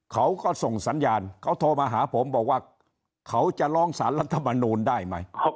เขาก็ส่งสัญญาณเขาโทรมาหาผมบอกว่าเขาจะร้องสารรัฐมนูลได้ไหม